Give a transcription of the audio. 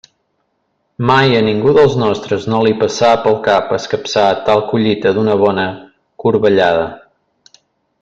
Mai a ningú dels nostres no li passà pel cap escapçar tal collita d'una bona corbellada.